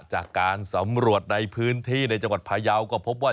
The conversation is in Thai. จากการสำรวจในพื้นที่ในจังหวัดพายาวก็พบว่า